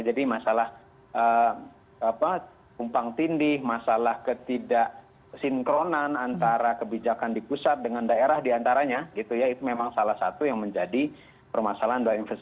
jadi masalah umpang tindih masalah ketidaksinkronan antara kebijakan di pusat dengan daerah di antaranya gitu ya itu memang salah satu yang menjadi permasalahan doa investasi